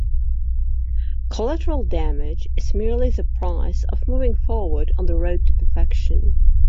Collateral damage is merely the price of moving forward on the road to perfection.